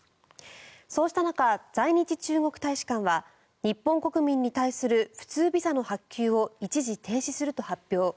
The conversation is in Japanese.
そうした中、在日中国大使館は日本国民に対する普通ビザの発給を一時停止すると発表。